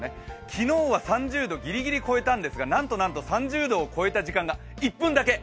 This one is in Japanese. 昨日は３０度ぎりぎり超えたんですが、なんとなんと３０度を超えた時間が１分だけ。